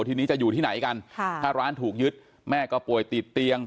ทีนี้จะอยู่ที่ไหนกันถ้าร้านถูกยึดแม่ก็ป่วยติดเตียง